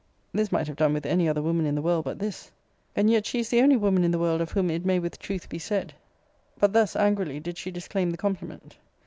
This might have done with any other woman in the world but this; and yet she is the only woman in the world of whom it may with truth be said. But thus, angrily, did she disclaim the compliment.